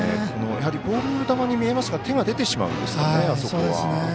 ボール球に見えますから手が出てしまうんですね。